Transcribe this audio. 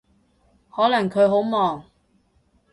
可能佢好忙